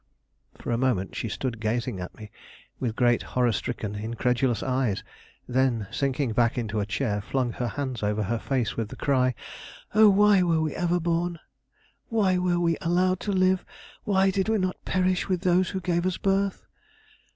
For a moment she stood gazing at me, with great horror stricken, incredulous eyes; then sinking back into a chair, flung her hands over her face with the cry: "Oh, why were we ever born! Why were we allowed to live! Why did we not perish with those who gave us birth!"